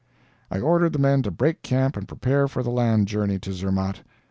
I ordered the men to break camp and prepare for the land journey to Zermatt.